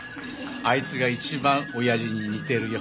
あいつが一番おやじに似てるよ。